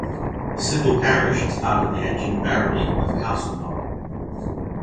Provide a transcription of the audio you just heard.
The civil parish is part of the ancient barony of Castleknock.